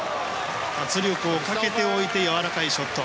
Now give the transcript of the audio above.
圧力をかけておいてやわらかいショット。